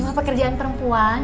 cuma pekerjaan perempuan